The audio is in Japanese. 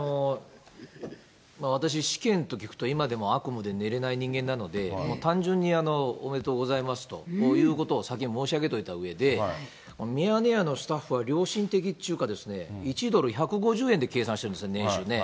これ、私、試験と聞くと今でも悪夢で寝れない人間なので、単純におめでとうございますということを先に申し上げておいたうえで、ミヤネ屋のスタッフは良心的っちゅうかですね、１ドル１５０円で計算しているんですよね、年収ね。